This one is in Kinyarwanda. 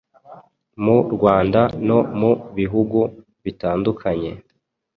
Mu Rwanda no mu bihugu bitandukanye